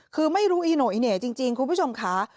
คือไม่รู้อีโน่อีเหน่จริงคุณผู้ชมค่ะ